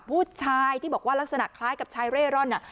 ผู้ชายที่บอกว่าลักษณะคล้ายกับชายเร่ร่อน